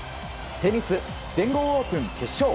テニス、全豪オープン決勝。